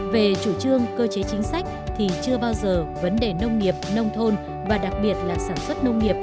về chủ trương cơ chế chính sách thì chưa bao giờ vấn đề nông nghiệp nông thôn và đặc biệt là sản xuất nông nghiệp